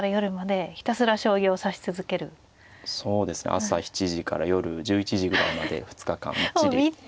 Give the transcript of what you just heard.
朝７時から夜１１時ぐらいまで２日間みっちりやりました。